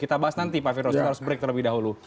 kita bahas nanti pak firros kita harus break terlebih dahulu